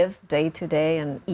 berada di mana mana